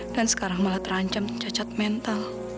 dan sekarang malah terancam cacat mental